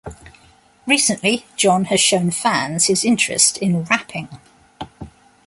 Recently, John has shown fans his interest in rapping.